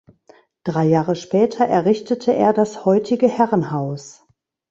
Drei Jahre später errichtete er das heutige Herrenhaus.